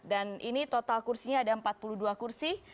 dan ini total kursinya ada empat puluh dua kursi